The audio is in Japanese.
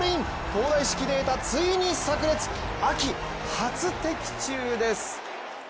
東大式データ、ついにさく裂秋、初的中です。